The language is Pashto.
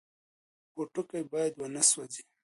پوټکی باید ونه سوځي.